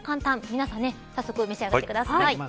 皆さん早速、召し上がってください。